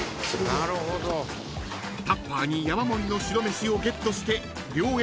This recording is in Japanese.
［タッパーに山盛りの白飯をゲットして寮へと帰る］